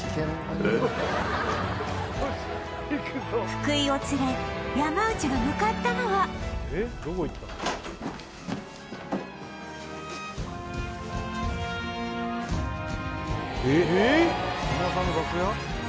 福井を連れ山内が向かったのはえっ？